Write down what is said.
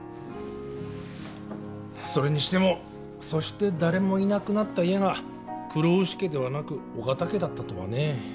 それにしてもそして誰もいなくなった家が黒丑家ではなく尾形家だったとはねぇ。